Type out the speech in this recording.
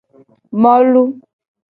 Molu.